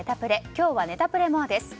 今日はネタプレＭＯＲＥです。